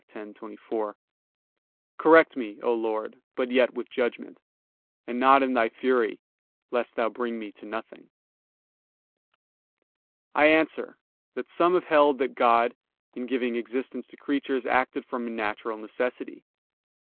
10:24): "Correct me, O Lord, but yet with judgment; and not in Thy fury, lest Thou bring me to nothing." I answer that, Some have held that God, in giving existence to creatures, acted from natural necessity.